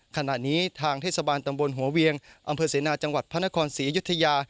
ขณะนี้ทางเทศบาลตำบลหัวเวียงอำเภอเสนาจังหวัดพระนครศรีอยุธยา